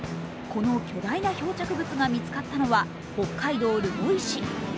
この巨大な漂着物が見つかったのは北海道留萌市。